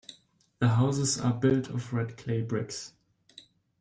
The houses are built of red clay bricks.